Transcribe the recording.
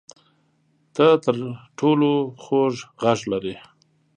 ته تر ټولو خوږ غږ لرې